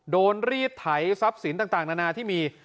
โดนรีดไถสับสินต่างนานาที่มี